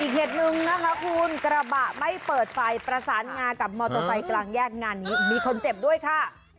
เหตุหนึ่งนะคะคุณกระบะไม่เปิดไฟประสานงากับมอเตอร์ไซค์กลางแยกงานนี้มีคนเจ็บด้วยค่ะ